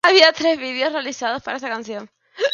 Había tres vídeos realizados para esta canción.